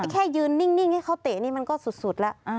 แค่ยืนนิ่งให้เขาเตะนี่มันก็สุดแล้ว